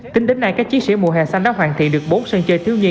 tính đến nay các chiến sĩ mùa hè xanh đã hoàn thiện được bốn sân chơi thiếu nhi